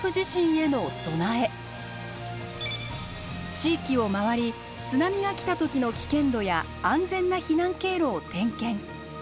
地域を回り津波が来た時の危険度や安全な避難経路を点検。